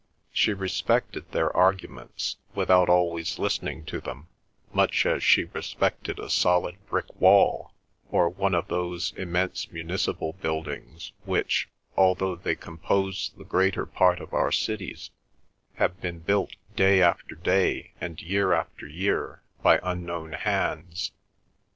She respected their arguments without always listening to them, much as she respected a solid brick wall, or one of those immense municipal buildings which, although they compose the greater part of our cities, have been built day after day and year after year by unknown hands.